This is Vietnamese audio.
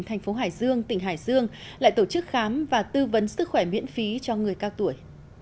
thành phố hải dương tỉnh hải dương lại tổ chức khám và tư vấn sức khỏe miễn phí cho người cao tuổi